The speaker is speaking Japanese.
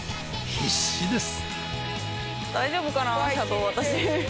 必死です。